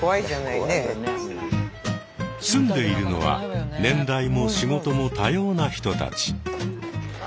住んでいるのは年代も仕事も多様な人たち。